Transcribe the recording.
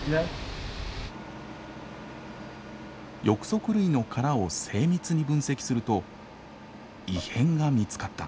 翼足類の殻を精密に分析すると異変が見つかった。